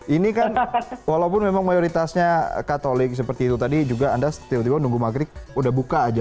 ini kan walaupun memang mayoritasnya katolik seperti itu tadi juga anda tiba tiba nunggu maghrib udah buka aja